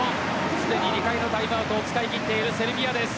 すでに２回のタイムアウトを使い切っているセルビアです。